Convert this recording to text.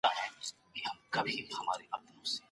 ډاکټر وايي، زړه د غوښې یوه برخه ده.